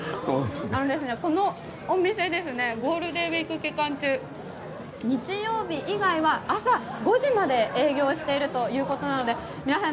このお店ゴールデンウィーク期間中日曜日以外は朝５時まで営業しているということなので皆さん